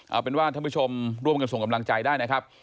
เอาเป็นว่าท่านผู้ชมร่วมกันส่งกำลังใจได้นะครับ